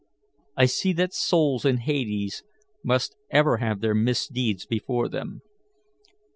I see that souls in hades must ever have their misdeeds before them.